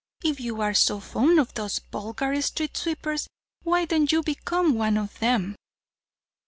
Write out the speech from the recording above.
If you are so fond of those vulgar street sweepers, why don't you become one of them?"